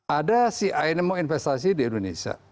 ada si ain mau investasi di indonesia